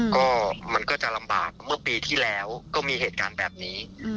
ก็มันก็จะลำบากเมื่อปีที่แล้วก็มีเหตุการณ์แบบนี้